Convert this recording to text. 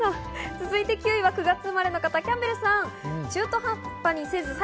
続いて９位は９月生まれの方、キャンベルさん。